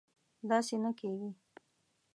داسې نه کېږي